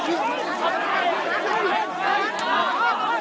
แล้วก็มีชาวบอดเจ็บด้วย